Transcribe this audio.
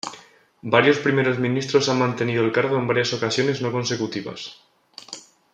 Varios primeros ministros han mantenido el cargo en varias ocasiones no consecutivas.